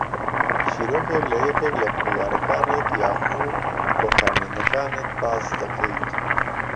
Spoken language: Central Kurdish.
چیرۆکێک لە یەکێک لە کڕیارەکانت یاخوود لە کارمەندەکانت باس دەکەیت